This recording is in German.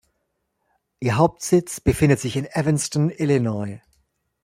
Ihr Hauptsitz befindet sich in Evanston, Illinois.